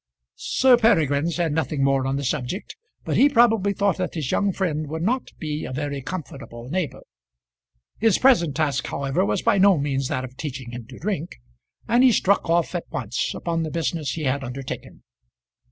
Sir Peregrine said nothing more on the subject, but he probably thought that his young friend would not be a very comfortable neighbour. His present task, however, was by no means that of teaching him to drink, and he struck off at once upon the business he had undertaken.